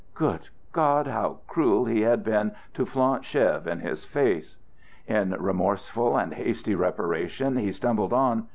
Good God! How cruel he had been to flaunt Chev in his face! In remorseful and hasty reparation he stumbled on.